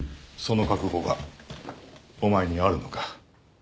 その覚悟がお前にあるのか？